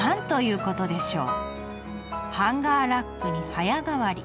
ハンガーラックに早変わり。